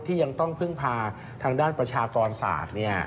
ยังต้องพึ่งพาทางด้านประชากรศาสตร์